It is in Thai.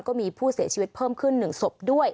ก็มีผู้เสียชีวิตเพิ่มขึ้น๑ศพด้วย